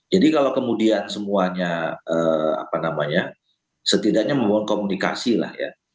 jadi kalau kemudian semuanya apa namanya setidaknya membuat komunikasi lah ya